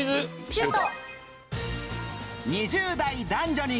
シュート！